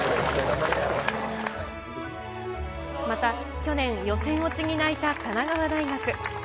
また、去年、予選落ちに泣いた神奈川大学。